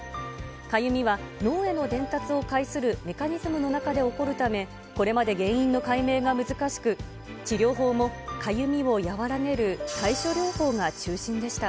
かゆみは脳への伝達を介するメカニズムの中で起こるため、これまで原因の解明が難しく、治療法もかゆみを和らげる対処療法が中心でした。